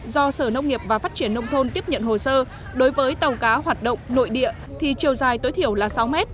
do sở nông nghiệp và phát triển nông thôn tiếp nhận hồ sơ đối với tàu cá hoạt động nội địa thì chiều dài tối thiểu là sáu m